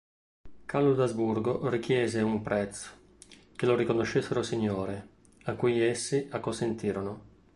Carlo d'Asburgo richiese un prezzo: che lo riconoscessero Signore, a cui essi acconsentirono.